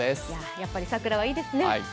やっぱり桜はいいですね。